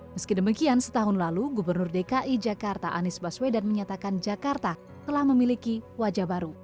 meski demikian setahun lalu gubernur dki jakarta anies baswedan menyatakan jakarta telah memiliki wajah baru